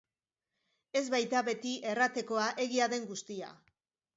Ez baita beti erratekoa egia den guztia.